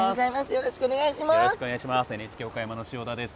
よろしくお願いします。